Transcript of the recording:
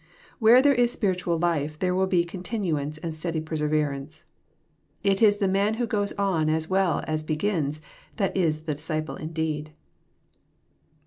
Where there is spiritual life there will be con tinuance and steady perseverance. It is the man who goes on as well as begins, that is *^ the disciple indeed."